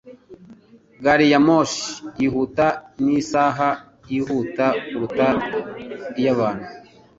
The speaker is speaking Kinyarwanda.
Gari ya moshi yihuta ni isaha yihuta kuruta iy'ahantu.